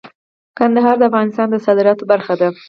کندهار د افغانستان د صادراتو برخه ده.